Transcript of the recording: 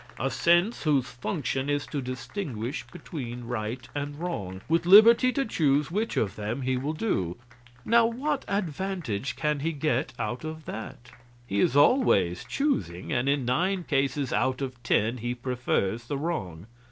A sense whose function is to distinguish between right and wrong, with liberty to choose which of them he will do. Now what advantage can he get out of that? He is always choosing, and in nine cases out of ten he prefers the wrong.